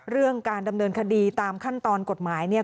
เรื่องการดำเนินคดีตามขั้นตอนกฎหมายเนี่ย